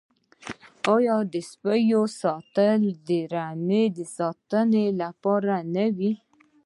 آیا د سپیو ساتل د رمې د ساتنې لپاره نه وي؟